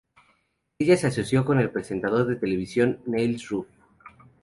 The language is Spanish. Ella se asoció con el presentador de televisión Niels Ruf.